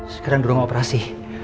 sekarang doang operasi